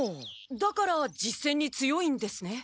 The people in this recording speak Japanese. だから実戦に強いんですね。